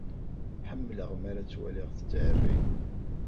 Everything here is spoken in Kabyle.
Ḥemmleɣ mi ara tt-waliɣ tettɛerri.